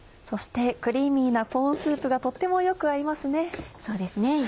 そしてクリーミーなコーンスープがとってもよく合いますね。